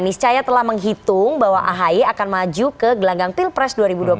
niscaya telah menghitung bahwa ahy akan maju ke gelanggang pilpres dua ribu dua puluh